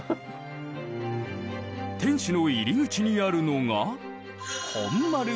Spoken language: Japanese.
天守の入り口にあるのが本丸御殿。